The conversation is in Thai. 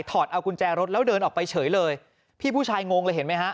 เอากุญแจรถแล้วเดินออกไปเฉยเลยพี่ผู้ชายงงเลยเห็นไหมฮะ